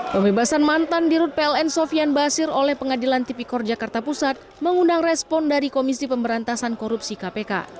pembebasan mantan dirut pln sofian basir oleh pengadilan tipikor jakarta pusat mengundang respon dari komisi pemberantasan korupsi kpk